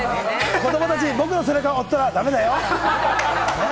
子供たち、僕の背中を追ったら駄目だよ？